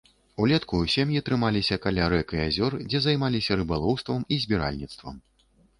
Улетку сем'і трымаліся каля рэк і азёр, дзе займаліся рыбалоўствам і збіральніцтвам.